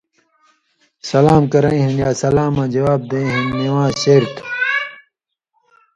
سلام کرَیں ہِن یا سلاماں جواب دیں ہِن نِوان٘ز شریۡ تھُو۔